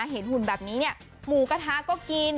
เห็นหุ่นแบบนี้เนี่ยหมูกระทะก็กิน